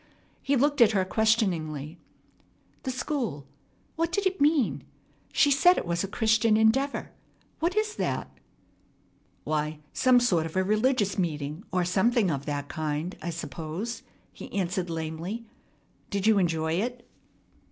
He looked at her questioningly. "The school. What did it mean? She said it was a Christian Endeavor. What is that?" "Why, some sort of a religious meeting, or something of that kind, I suppose," he answered lamely. "Did you enjoy it?"